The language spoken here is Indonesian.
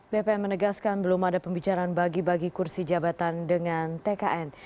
bpm menegaskan belum ada pembicaraan bagi bagi kursi jabatan dengan tkn